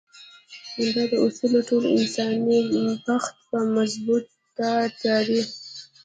دا اصول ټول انساني پښت په مضبوط تار تړي.